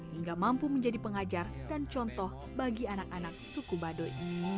hingga mampu menjadi pengajar dan contoh bagi anak anak suku baduy